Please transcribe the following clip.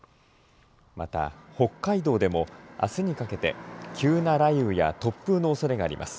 また、北海道でもあすにかけて急な雷雨や突風のおそれがあります。